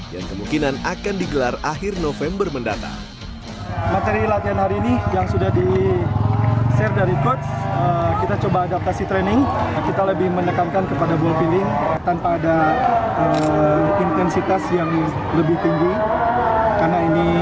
yang kemungkinan akan digelar akhir november mendatang